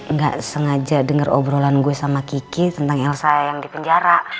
nggak sengaja denger obrolan gue sama kiki tentang l saya yang di penjara